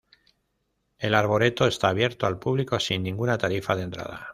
El arboreto está abierto al público sin ninguna tarifa de entrada.